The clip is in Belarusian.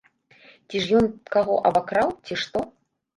Ці ж ён каго абакраў, ці што?